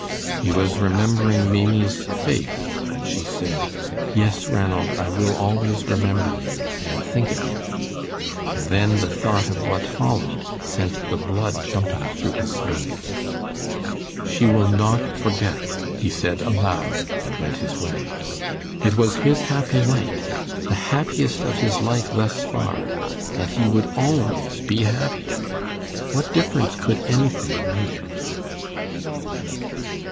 He was remembering Maimie's face when she said, "Yes, Ranald, I will always remember you and think of you"; and then the thought of what followed, sent the blood jumping through his veins. "She will not forget," he said aloud, and went on his way. It was his happy night, the happiest of his life thus far, and he would always be happy. What difference could anything make?